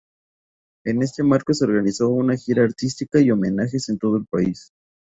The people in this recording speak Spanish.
En este marco se organizó una gira artística y homenajes en todo el país.